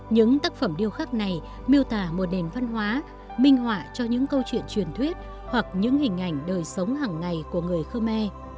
những tác phẩm điêu khắc này miêu tả một nền văn hóa minh họa cho những câu chuyện truyền thuyết hoặc những hình ảnh đời sống hàng ngày của người khơ me